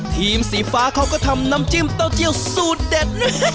สีฟ้าเขาก็ทำน้ำจิ้มเต้าเจียวสูตรเด็ด